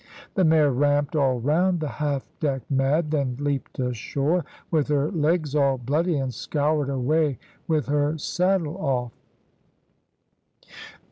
The mare ramped all round the half deck mad, then leaped ashore, with her legs all bloody, and scoured away with her saddle off.